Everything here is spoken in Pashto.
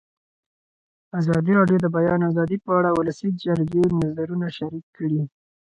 ازادي راډیو د د بیان آزادي په اړه د ولسي جرګې نظرونه شریک کړي.